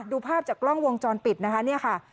ดูภาพจากกล้องวงจรปิดนะคะ